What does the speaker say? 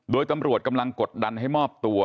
โดยตำรวจกำลังกดดันให้มอบตัว